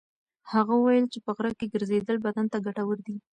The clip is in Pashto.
هغه وویل چې په غره کې ګرځېدل بدن ته ګټور دي.